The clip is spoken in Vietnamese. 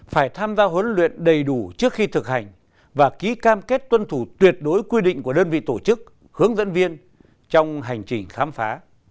phải tham gia huấn luyện đầy đủ trước khi thực hành và ký cam kết tuân thủ tuyệt đối quy định của đơn vị tổ chức hướng dẫn viên trong hành trình khám phá